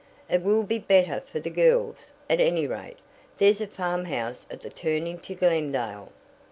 "It will be better for the girls, at any rate. There's a farmhouse at the turn into Glendale."